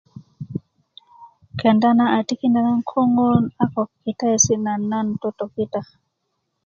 kenda na a tikinda nan koŋon a ko kitayesi naŋ nan totokita